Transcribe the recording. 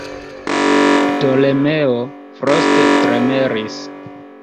Ptolemeo froste tremeris.